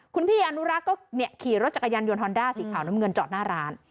คุณพี่อนุรักษ์ก็ขี่รถจักรยานยนต์ฮอนด้าสีขาวน้ำเงินจอดหน้าร้าน